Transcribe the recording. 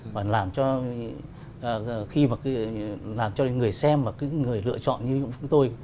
và làm cho người xem và người lựa chọn như chúng tôi